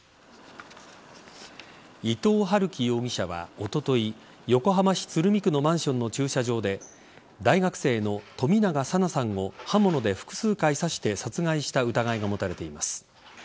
伊藤龍稀容疑者は、おととい横浜市鶴見区のマンションの駐車場で大学生の冨永紗菜さんを刃物で複数回刺して殺害した疑いが持たれています。